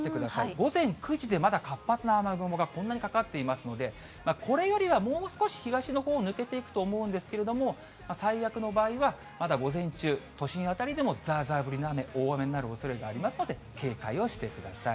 午前９時で、まだ活発な雨雲がこんなにかかっていますので、これよりはもう少し東のほうを抜けていくと思うんですけれども、最悪の場合は、まだ午前中、都心辺りでも、ざーざー降りの雨、大雨になるおそれもありますので、警戒をしてください。